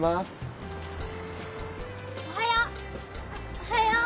おはよう。